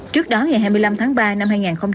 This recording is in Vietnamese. trước đó ngày hai mươi năm tháng ba năm hai nghìn hai mươi